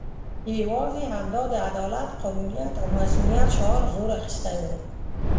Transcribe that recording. یوازې همدا د عدالت، قانونیت او مصونیت شعار زور اخستی وو.